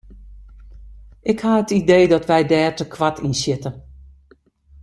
Ik ha it idee dat wy dêr te koart yn sjitte.